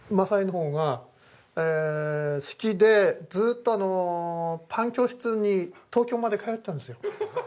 正枝のほうが好きでずっとあのパン教室に東京まで通ってたんですよ。